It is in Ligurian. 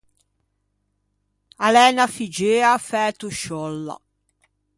A l’é unna figgeua affæto sciòlla.